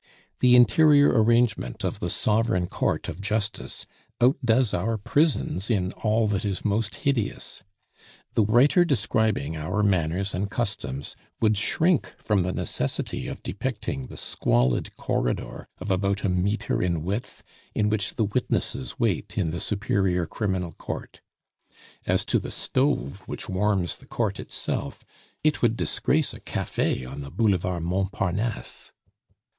The interior arrangement of the sovereign court of justice outdoes our prisons in all that is most hideous. The writer describing our manners and customs would shrink from the necessity of depicting the squalid corridor of about a metre in width, in which the witnesses wait in the Superior Criminal Court. As to the stove which warms the court itself, it would disgrace a cafe on the Boulevard Mont Parnasse.